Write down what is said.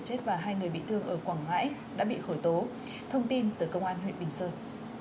chết và hai người bị thương ở quảng ngãi đã bị khởi tố thông tin từ công an huyện bình sơn